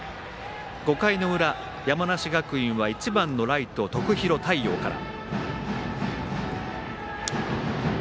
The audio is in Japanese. ５回裏、山梨学院は１番のライト徳弘太陽から。